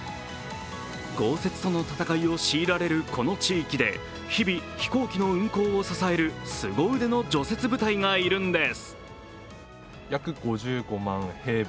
豪雪との戦いを強いられるこの地域で日々、飛行機の運航を支えるすご腕の除雪部隊がいるんです。